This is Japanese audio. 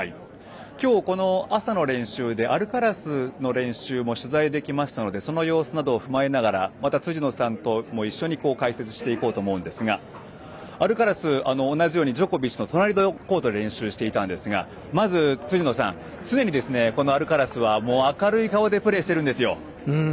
今日朝の練習でアルカラスの練習も取材できましたのでその様子も踏まえながらまた辻野さんとも一緒に解説していこうと思いますがアルカラスはジョコビッチの隣のコートで練習していたんですがまず、辻野さん常にアルカラスは明るい顔でプレーしているんですよ。